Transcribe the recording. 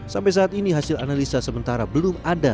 sampai saat ini hasil analisa sementara belum ada